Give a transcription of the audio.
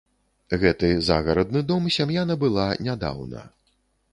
Гэты загарадны дом сям'я набыла нядаўна.